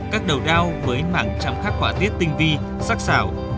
các đầu đao với mảng trăm khắc quả tiết tinh vi sắc xảo